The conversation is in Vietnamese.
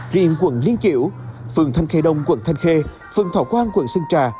riêng quận liên chiểu phường thanh khê đông quận thanh khê phường thảo quang quận sơn trà